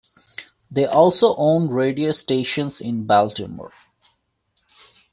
They also own radio stations in Baltimore.